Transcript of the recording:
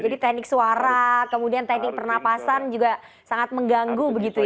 jadi teknik suara kemudian teknik pernapasan juga sangat mengganggu begitu ya